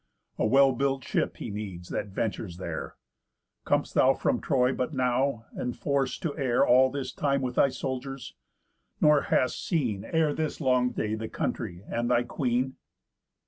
A well built ship he needs that ventures there. Com'st thou from Troy but now, enforc'd to err All this time with thy soldiers? Nor hast seen, Ere this long day, thy country, and thy queen?